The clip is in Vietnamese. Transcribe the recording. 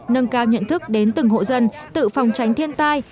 nâng cao nhận thức đến từng hộ dân tự phòng tránh thiên tai